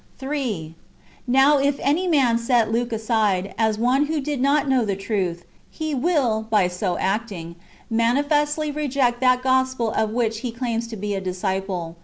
^ 3. Now if any man set Luke aside, as one who did not know the truth, he will, [by so acting,] manifestly reject that gospel of which he claims to be a disciple.